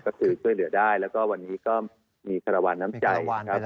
ก็คือช่วยเหลือได้แล้วก็วันนี้ก็มีคารวาลน้ำใจครับ